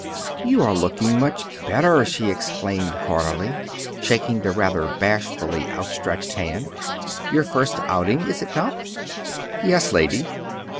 "You are looking much better," she exclaimed heartily, shaking the rather bashfully outstretched hand; "your first outing, is it not?" "Yes, lady."